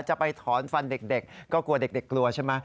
จะไปถอนฟันเด็กก็กลัวเด็กกลัวใช่ไหม